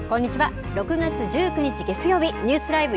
６月１９日月曜日、ニュースＬＩＶＥ！